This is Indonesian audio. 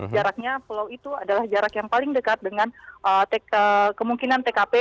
jaraknya pulau itu adalah jarak yang paling dekat dengan kemungkinan tkp